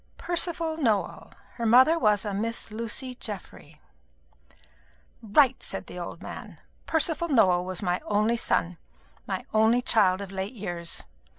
"Percival Nowell. Her mother was a Miss Lucy Geoffry." "Right," said the old man. "Percival Nowell was my only son my only child of late years.